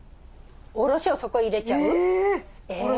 おろしをそこ入れちゃう？え！